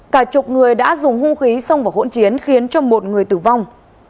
cả chục người đã dùng hung khí xông vào hỗn chiến khiến cho một người tử vong